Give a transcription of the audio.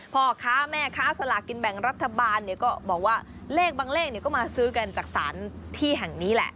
พ่อค้าแม่ค้าสลากินแบ่งรัฐบาลเนี่ยก็บอกว่าเลขบางเลขก็มาซื้อกันจากสารที่แห่งนี้แหละ